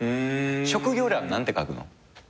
職業欄何て書くの？